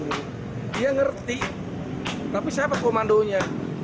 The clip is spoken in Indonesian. dia ngerti tapi siapa komandonya